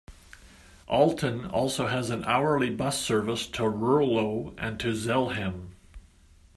Aalten also has an hourly bus service to Ruurlo and to Zelhem.